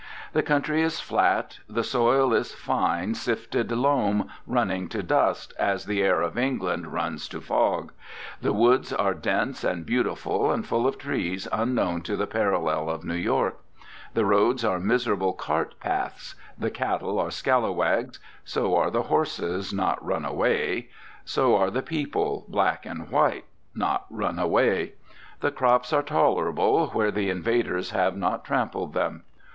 The country is flat; the soil is fine sifted loam running to dust, as the air of England runs to fog; the woods are dense and beautiful and full of trees unknown to the parallel of New York; the roads are miserable cart paths; the cattle are scalawags; so are the horses, not run away; so are the people, black and white, not run away; the crops are tolerable, where the invaders have not trampled them.